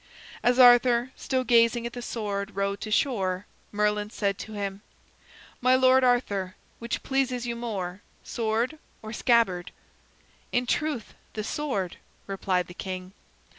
As Arthur, still gazing at the sword, rowed to shore, Merlin said to him: "My lord Arthur, which pleases you more, sword or scabbard?" "In truth, the sword," replied the king.